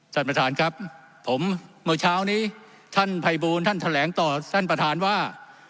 ท่านประธานครับผมเมื่อเช้านี้ท่านภัยบูลท่านแถลงต่อท่านประธานว่า